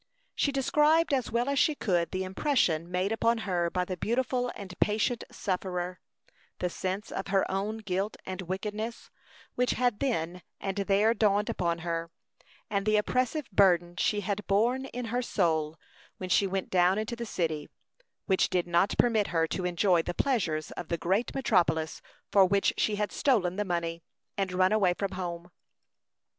She described as well as she could the impression made upon her by the beautiful and patient sufferer; the sense of her own guilt and wickedness, which had then and there dawned upon her; and the oppressive burden she had borne in her soul when she went down into the city, which did not permit her to enjoy the pleasures of the great metropolis for which she had stolen the money, and run away from her home.